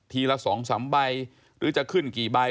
ละ๒๓ใบหรือจะขึ้นกี่ใบ